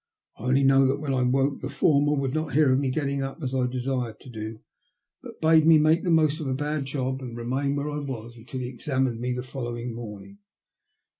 I only know that when I woke the former would not hear of my getting up as I desired to do, but bade me make the best of a bad job and remain where I was until he examined me the following morning.